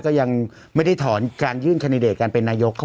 ก็ยังไม่ได้ถอรณการยื่่นคณิเดรตการเป็นนยกครับ